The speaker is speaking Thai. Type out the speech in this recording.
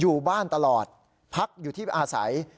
อยู่บ้านตลอดพักอยู่ที่อาศัย